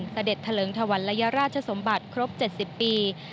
สเด็จทะเลิงธวรรณลัยราชสมบัติครบ๗๐ปี